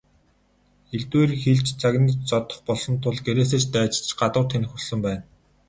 Элдвээр хэлж, загнаж зодох болсон тул гэрээсээ ч дайжиж гадуур тэнэх болсон байна.